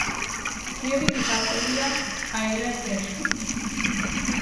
ლირიკის ავტორია აირა გერშვინი.